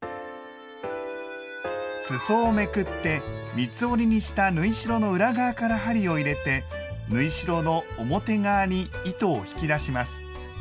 すそをめくって三つ折りにした縫い代の裏側から針を入れて縫い代の表側に糸を引き出します。